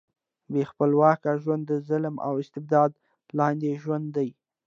بې خپلواکۍ ژوند د ظلم او استبداد لاندې ژوند دی.